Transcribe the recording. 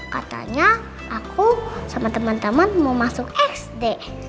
katanya aku sama temen temen mau masuk sd